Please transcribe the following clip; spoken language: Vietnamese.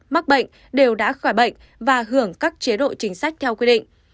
mắc bệnh đều đã khỏi bệnh và hưởng các chế độ chính sách theo quy định